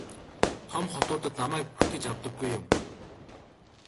Том хотуудад намайг бүртгэж авдаггүй юм.